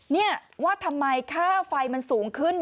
นี่ว่าทำไมค่าไฟมันสูงขึ้น